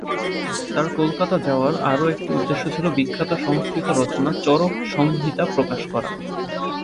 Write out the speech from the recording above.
তাঁর কলকাতা যাওয়ার আরও একটি উদ্দেশ্য ছিল বিখ্যাত সংস্কৃত রচনা ‘চরক-সংহিতা’ প্রকাশ করা।